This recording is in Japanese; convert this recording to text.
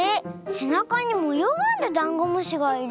せなかにもようがあるダンゴムシがいる。